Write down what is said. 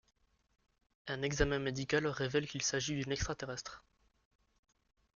Un examen médical révèle qu'il s'agit d'une extraterrestre.